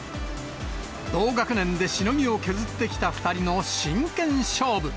同学年でしのぎを削ってきた２人の真剣勝負。